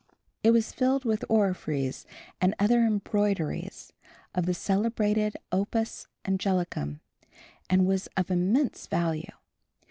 It was filled with orphreys and other embroideries of the celebrated opus anglicum and was of immense value.